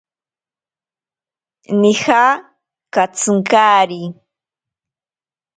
Nija katsinkari.